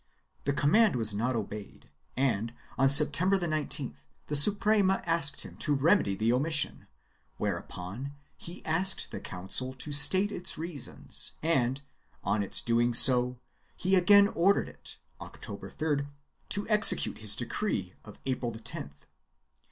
The command was not obeyed and, on September 19th, the Suprema asked him to remedy the omission, whereupon he asked the council to state its reasons and, on its doing so, he again ordered it, October 3d, to execute his decree of April 10th.